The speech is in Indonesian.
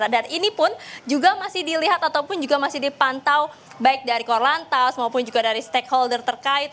dan ini pun juga masih dilihat ataupun juga masih dipantau baik dari korlantas maupun juga dari stakeholder terkait